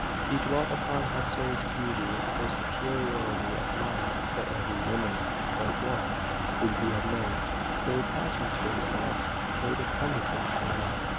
He dwelt upon Hester's beauty, her superiority of mind to every woman but one whom he had known, her attachment to himself; her dependence upon him.